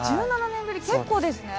１７年ぶり結構ですね。